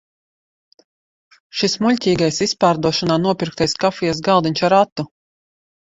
Šis muļķīgais izpārdošanā nopirktais kafijas galdiņš ar ratu!